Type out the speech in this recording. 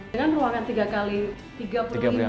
dengan ruangan tiga x tiga puluh lima meter persegi